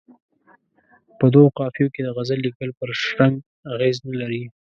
په دوو قافیو کې د غزل لیکل پر شرنګ اغېز نه لري.